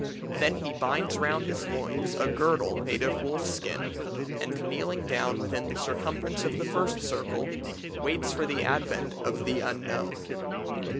Then he binds round his loins a girdle made of wolf's skin, and kneeling down within the circumference of the first circle, waits for the advent of the Unknown.